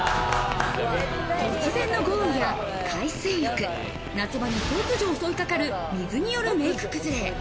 突然の豪雨や海水浴、夏場に突如襲いかかる水によるメイク崩れ。